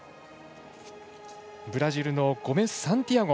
ブラジルのゴメスサンティアゴ。